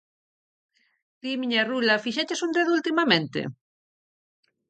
Ti, miña rula, fixeches un dedo últimamente?